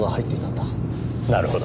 なるほど。